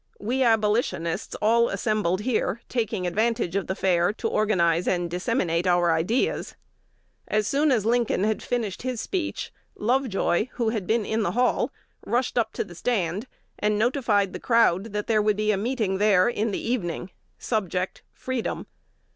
We Abolitionists all assembled here, taking advantage of the fair to organize and disseminate our ideas. As soon as Lincoln had finished his speech, Lovejoy, who had been in the hall, rushed up to the stand, and notified the crowd that there would be a meeting there in the evening: subject, Freedom.